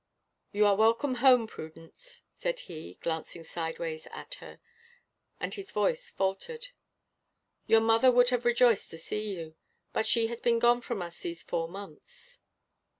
"You are welcome home, Prudence," said he, glancing sideways at her, and his voice faltered. "Your mother would have rejoiced to see you, but she has been gone from us these four months."